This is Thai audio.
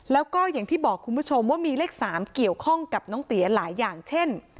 แล้วก็อย่างที่บอกคุณผู้ชมว่ามีเลข๓เกี่ยวข้องกับน้องเตี๋ยหลายอย่างเช่น